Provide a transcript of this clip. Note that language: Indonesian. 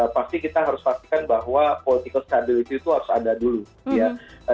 pasti kita harus pastikan bahwa political stability itu harus ada dulu ya